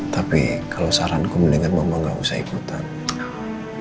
tapi kalau saranku mendengar mama gak usah ikutan